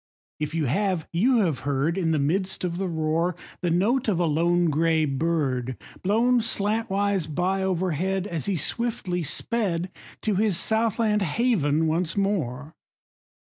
If you have, you have heard In the midst of the roar, The note of a lone gray bird, Blown slantwise by overhead As he swiftly sped To his south land haven once more